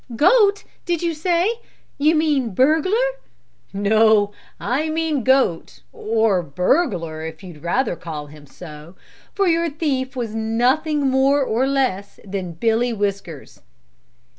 "Goat, did you say? You mean burglar." "No, I mean goat, or burglar if you would rather call him so, for your thief was nothing more or less than Billy Whiskers."